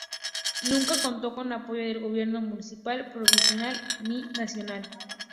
Nunca contó con apoyo del gobierno municipal, provincial ni nacional.